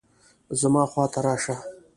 زما خوا ته راشه